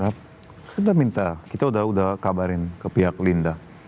kita minta kita sudah kabarin ke pihak linda